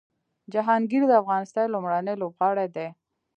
جهانګیر د افغانستان لومړنی لوبغاړی دی